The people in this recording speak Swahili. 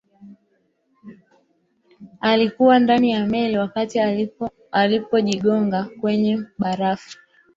walikuwa ndani ya meli wakati ilipojigonga kwenye barafu